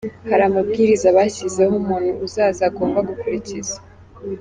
Hari amabwiriza bashyizeho umuntu uzaza agomba gukurikiza.